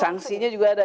sanksinya juga ada